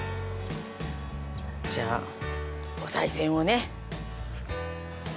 じゃあおさい銭をね。